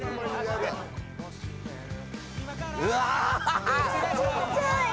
うわ！